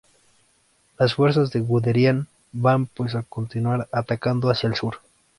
Las fuerzas de Guderian van pues a continuar atacando hacia el Sur.